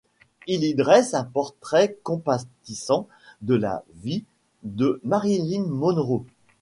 Il y dresse un portrait compatissant de la vie de Marilyn Monroe.